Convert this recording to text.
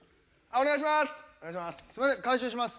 お願いします。